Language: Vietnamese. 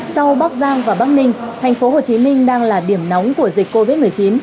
sau bắc giang và bắc ninh tp hcm đang là điểm nóng của dịch covid một mươi chín